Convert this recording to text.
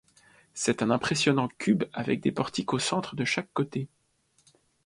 C'est un impressionnant cube avec des portiques au centre de chaque côté.